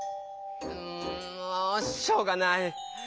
うんもうしょうがない！